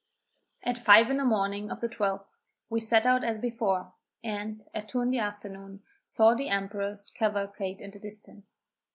At five in the morning of the 12th, we set out as before, and, at two in the afternoon, saw the emperor's cavalcade at a distance.